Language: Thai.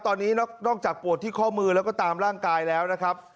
ตอนนี้นอกจากปวดที่ข้อมือแล้วก็ตามร่างกายแล้วนะครับ